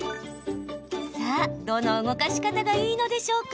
さあ、どの動かし方がいいのでしょうか。